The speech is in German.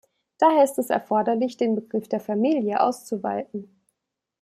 Daher ist es erforderlich, den Begriff der Familie auszuweiten.